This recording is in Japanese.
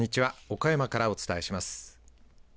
岡山からお伝えします。